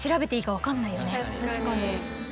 確かに。